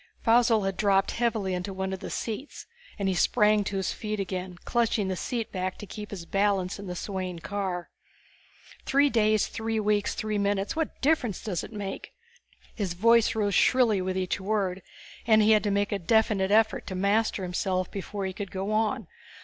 Faussel had dropped heavily into one of the seats and he sprang to his feet again, clutching the seat back to keep his balance in the swaying car. "Three days, three weeks, three minutes what difference does it make?" His voice rose shrilly with each word, and he had to make a definite effort to master himself before he could go on.